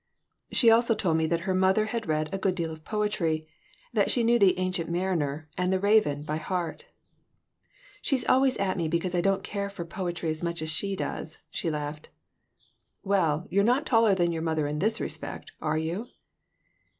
She also told me that her mother had read a good deal of poetry, that she knew the "Ancient Mariner" and "The Raven" by heart "She's always at me because I don't care for poetry as much as she does," she laughed. "Well, you're not taller than your mother in this respect, are you?"